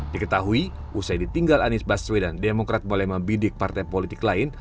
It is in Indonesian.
diketahui usai ditinggal anies baswedan demokrat boleh membidik partai politik lain